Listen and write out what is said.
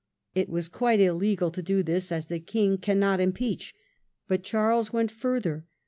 It was quite illegal to do this, as the king cannot impeach. But Charles went further.